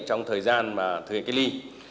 trong thời gian thực hiện cách ly